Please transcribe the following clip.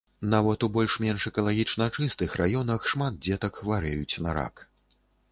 Нават у больш-менш экалагічна чыстых раёнах, шмат дзетак хварэюць на рак.